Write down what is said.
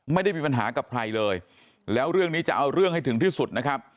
ไม่ได้มีปัญหากับใครเลยแล้วเรื่องนี้จะเอาเรื่องให้ถึงที่สุดนะครับ